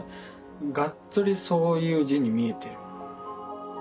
ガッツリそういう字に見えてる。